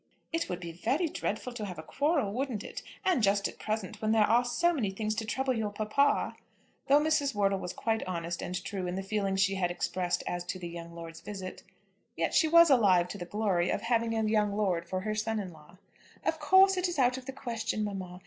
"It would be very dreadful to have a quarrel, wouldn't it, and just at present, when there are so many things to trouble your papa." Though Mrs. Wortle was quite honest and true in the feeling she had expressed as to the young lord's visit, yet she was alive to the glory of having a young lord for her son in law. "Of course it is out of the question, mamma.